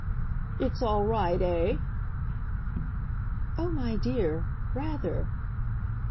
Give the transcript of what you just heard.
"It's all right, eh?" "Oh, my dear rather!"